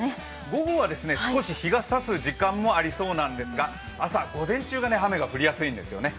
午後は少し日がさす時間もありそうなんですが、朝、午前中が雨が降りやすいんですよね。